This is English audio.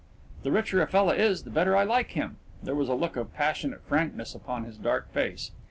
"The richer a fella is, the better I like him." There was a look of passionate frankness upon his dark face.